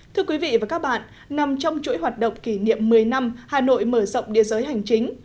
thưa quý vị và các bạn nằm trong chuỗi hoạt động kỷ niệm một mươi năm hà nội mở rộng địa giới hành chính